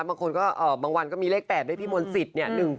มางวันก็มีเลข๘ด้วยพี่มนต์สิทธิ์เนี่ย